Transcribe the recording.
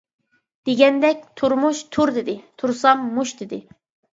دېگەندەك تۇرمۇش «تۇر» دېدى، تۇرسام «مۇش» دېدى.